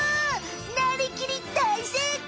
なりきり大成功！